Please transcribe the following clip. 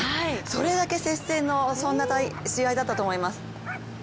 それだけ接戦のそんな試合だったと思います。